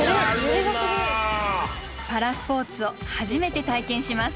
パラスポーツを初めて体験します。